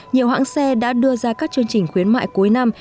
nhiều hãng xe đã đưa ra các chương trình khuyến mại cuối năm